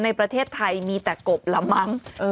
ในประเทศไทยมีแต่กบละมั้ง